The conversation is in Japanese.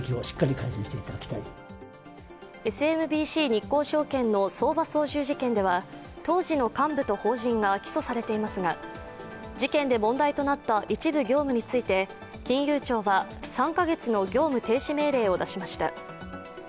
ＳＭＢＣ日興証券の相場操縦事件では当時の幹部と法人が起訴されていますが事件で問題となった一部業務について、金融庁は３か月の業務停止命令を出しました。